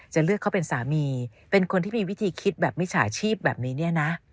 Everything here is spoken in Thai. จะเลือกเขาเป็นสามีเป็นคนที่มีวิธีคิดแบบมิจฉาชีพแบบนี้เนี่ยนะ